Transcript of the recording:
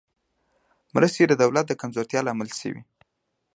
مرستې د دولت د کمزورتیا لامل شوې.